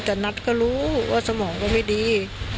แฮร์นัทก็รู้สมองก็ไม่ดี